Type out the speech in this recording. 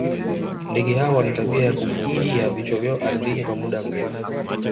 ndege hao wana tabia ya kufukia vichwa vyao ardhini kwa muda mrefu